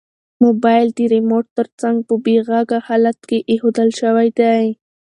موبایل د ریموټ تر څنګ په بې غږه حالت کې ایښودل شوی دی.